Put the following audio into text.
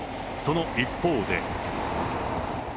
その一方で。